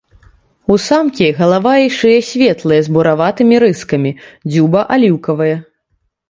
У самкі галава і шыя светлыя з бураватымі рыскамі, дзюба аліўкавая.